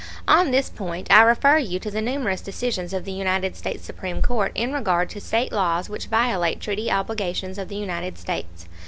On this point I refer you to the numerous decisions of the United States Supreme Court in regard to State laws which violate treaty obligations of the United States.